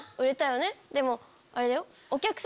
でもあれだよ？